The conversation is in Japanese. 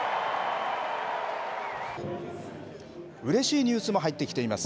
うれしいニュースも入ってきています。